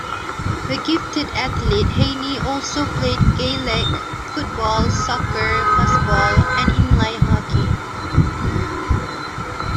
A gifted athlete, Heaney also played Gaelic football, soccer, fastball and in-line hockey.